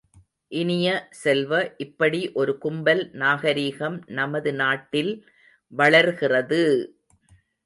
இனிய செல்வ, இப்படி ஒரு கும்பல் நாகரிகம் நமது நாட்டில் வளர்கிறது!